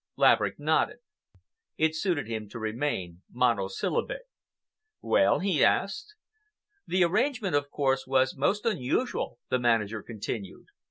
Laverick nodded. It suited him to remain monosyllabic. "Well?" he asked. "The arrangement, of course, was most unusual," the manager continued.